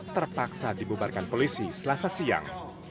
terpaksa dibubarkan polisi selasa siang